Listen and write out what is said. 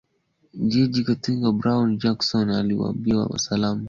jaji Ketanji Brown Jackson alikabiliwa na maswali kwa saa kadhaa kutoka kwa wanachama